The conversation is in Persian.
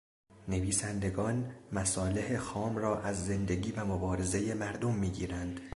نویسندگان مصالح خام را از زندگی و مبارزهٔ مردم میگیرند.